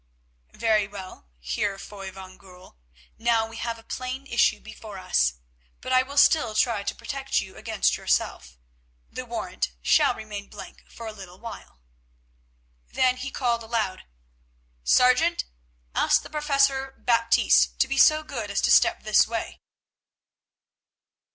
"Very well, Heer Foy van Goorl, now we have a plain issue before us, but I will still try to protect you against yourself—the warrant shall remain blank for a little while." Then he called aloud, "Sergeant, ask the Professor Baptiste to be so good as to step this way."